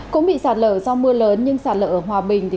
cũng bị sạt lở do mưa lớn nhưng sạt lở ở hòa bình